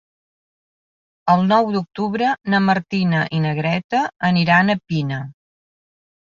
El nou d'octubre na Martina i na Greta aniran a Pina.